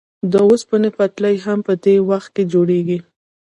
د اوسپنې پټلۍ هم په دې وخت کې جوړېږي